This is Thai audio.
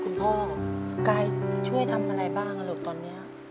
คุณพ่อไกรช่วยทำอะไรบ้างหรือตอนนี้